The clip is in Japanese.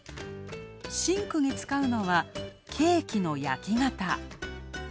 シンクに使うのは、ケーキの焼き型。